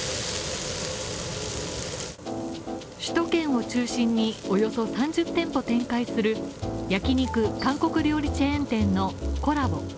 首都圏を中心におよそ３０店舗展開する焼き肉・韓国料理チェーン店のＫｏｌｌａＢｏ。